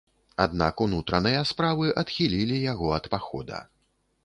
Аднак унутраныя справы адхілілі яго ад пахода.